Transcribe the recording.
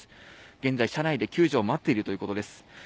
現在車内で救助を待っているということです。